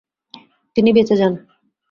তিনি বেঁচে যান।